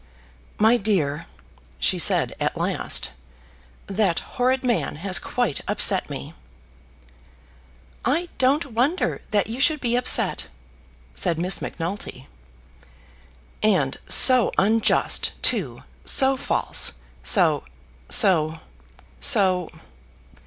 "My dear," she said at last, "that horrid man has quite upset me." "I don't wonder that you should be upset," said Miss Macnulty. "And so unjust, too, so false, so so so